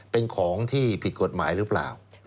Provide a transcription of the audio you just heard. เป็นของที่ผิดกฎหมายหรือเปล่า